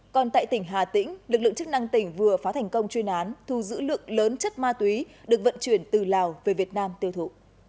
còn tại tỉnh hà tĩnh lực lượng chức năng tỉnh vừa phá thành công chuyên án thu giữ lượng lớn chất ma túy được vận chuyển từ lào về việt nam tiêu thụ